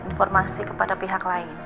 informasi kepada pihak lain